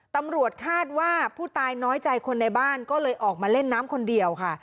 ตำรวจคาดว่าผู้ตายน้อยใจคนในบ้านก็เลยออกมาเล่นน้ำคนเดียวค่ะ